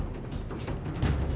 ini mirip kayak gamuz